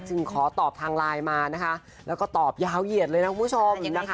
ขอตอบทางไลน์มานะคะแล้วก็ตอบยาวเหยียดเลยนะคุณผู้ชมนะคะ